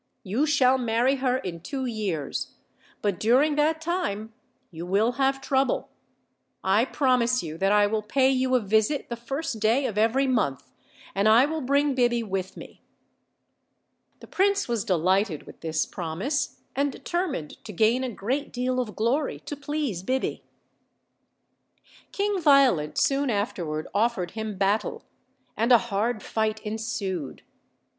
You shall marry her in two years; but during that time you will have trouble. I promise you that I will pay you a visit the first day of every month, and I will bring Biby with me." The prince was delighted with this promise, and de termined to gain a great deal of glory to please Biby. King Violent soon afterward offered him battle, and a hard fight ensued.